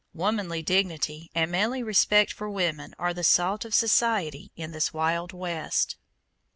Womanly dignity and manly respect for women are the salt of society in this wild West.